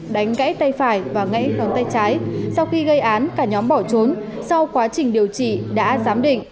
đánh gãy tay phải và ngãn tay trái sau khi gây án cả nhóm bỏ trốn sau quá trình điều trị đã giám định